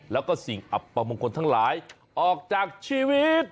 แล้วก็สิ่งอับประมงคลทั้งหลายออกจากชีวิต